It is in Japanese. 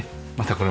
これ。